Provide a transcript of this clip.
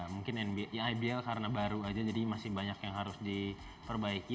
mungkin ibl karena baru aja jadi masih banyak yang harus diperbaiki